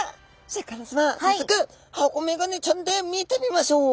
さっそく箱メガネちゃんで見てみましょう！